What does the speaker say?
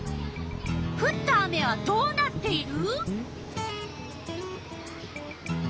ふった雨はどうなっている？